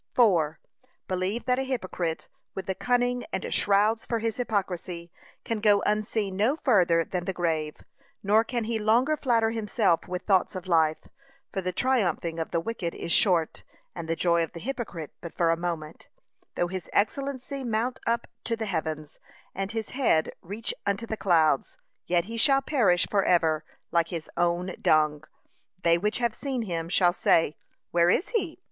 Believe that a hypocrite, with the cunning and shrouds for his hypocrisy, can go unseen no further than the grave, nor can he longer flatter himself with thoughts of life. For 'the triumphing of the wicked is short, and the joy of the hypocrite but for a moment. Though his excellency mount up to the heavens, and his head reach unto the clouds; yet he shall perish for ever, like his own dung: they which have seen him shall say, Where is he?